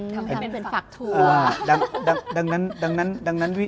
ทำให้เป็นฝักทัวร์